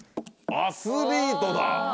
アスリートだ！